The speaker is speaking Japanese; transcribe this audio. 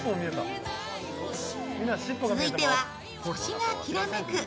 続いては星がきらめく